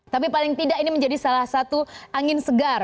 tapi paling tidak ini menjadi salah satu angin segar